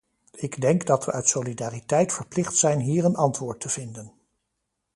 Ik denk dat we uit solidariteit verplicht zijn hier een antwoord te vinden.